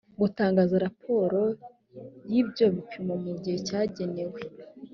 gutangaza raporo y’ibyo bipimo mu gihe cyagenwe